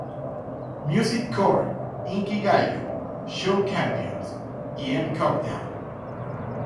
Music Core", "Inkigayo", "Show Champion", y "M Countdown".